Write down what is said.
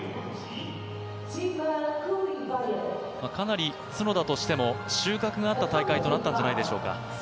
かなり角田としても収穫があった大会となったんじゃないでしょうか。